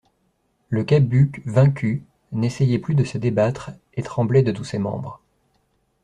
Le Cabuc, vaincu, n'essayait plus de se débattre et tremblait de tous ses membres.